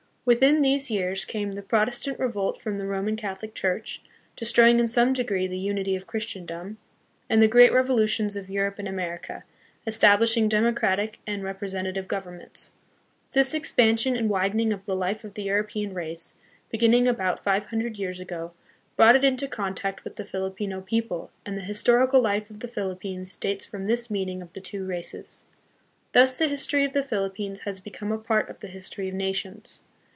Within these years came the Protestant revolt from the Roman Catholic Church, destroying in some degree the unity of Christendom; and the great revolutions of Europe and America, establish ing democratic and representative governments. This expansion and widening of the life of the Euro pean race, beginning about five hundred years ago, brought it into contact with the Filipino people, and the historical life of the Philippines dates from this meeting of the two races. Thus the history of the Philippines has become a part of the history of nations.